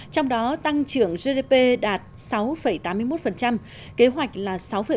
trong đó tăng trưởng gdp đạt sáu tám mươi một kế hoạch là sáu bảy